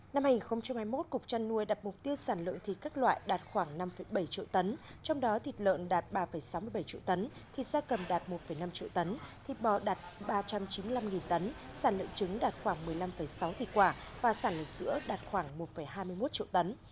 năm hai nghìn hai mươi một cục trăn nuôi đặt mục tiêu sản lượng thịt các loại đạt khoảng năm bảy triệu tấn trong đó thịt lợn đạt ba sáu mươi bảy triệu tấn thịt da cầm đạt một năm triệu tấn thịt bò đạt ba trăm chín mươi năm tấn sản lượng trứng đạt khoảng một mươi năm sáu tỷ quả và sản lượng sữa đạt khoảng một hai mươi một triệu tấn